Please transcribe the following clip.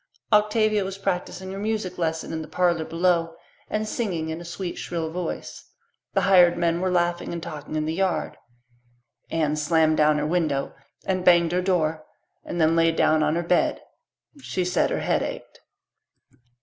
Octavia was practising her music lesson in the parlour below and singing in a sweet shrill voice. The hired men were laughing and talking in the yard. Anne slammed down her window and banged her door and then lay down on her bed; she said her head ached.